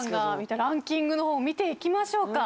ランキングの方見ていきましょうか。